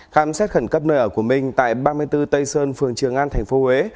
khám xét khẩn cấp nợ của mình tại ba mươi bốn tây sơn phường trường an tp huế